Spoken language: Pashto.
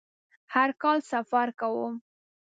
هر کال سفر کوم